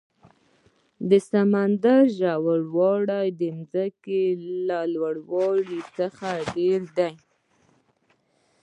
د سمندر ژور والی د ځمکې له لوړ والي څخه ډېر ده.